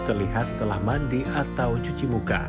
terlihat setelah mandi atau cuci muka